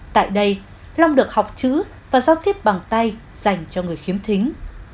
tại đây long được học chữ và giao tiếp bằng tay dành cho người khiếm thính